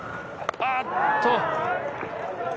あっと。